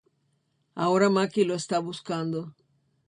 Ahora Maki lo está buscando.